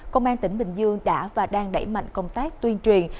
công an tỉnh bình dương đã và đang đẩy mạnh công tác tuyên truyền